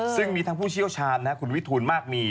ซึ่งมีทั้งผู้เชี่ยวชาญคุณวิทูลมากมี